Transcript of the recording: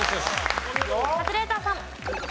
カズレーザーさん。